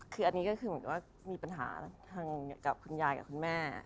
คืออันนี้มีปัญหากับคุณยายกับคุณแม่